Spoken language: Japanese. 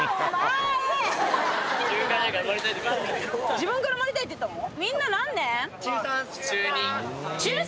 自分から埋まりたいって言ったの？